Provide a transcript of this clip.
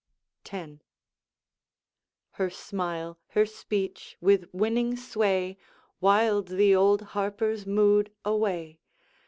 X. Her smile, her speech, with winning sway Wiled the old Harper's mood away.